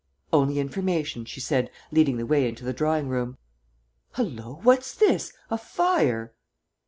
"Only information," she said, leading the way into the drawing room. "Hallo, what's this? A fire!"